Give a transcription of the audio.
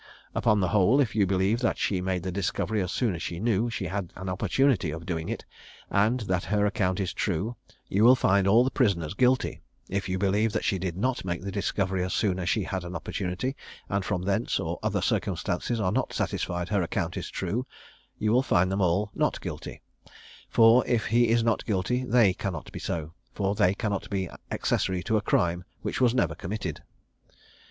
Upon the whole, if you believe that she made the discovery as soon as she knew she had an opportunity of doing it, and that her account is true, you will find all the prisoners Guilty; if you believe that she did not make the discovery as soon as she had an opportunity, and from thence, or other circumstances, are not satisfied her account is true, you will find them all Not guilty: for if he is not guilty, they cannot be so; for they cannot be accessory to a crime which was never committed."